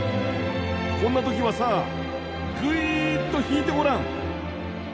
こんな時はさぐいっと引いてごらん。